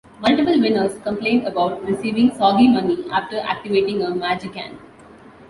Multiple winners complained about receiving soggy money after activating a MagiCan.